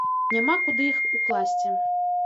Няма куды іх укласці.